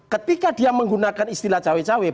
ketika dia menggunakan istilah cewek cewek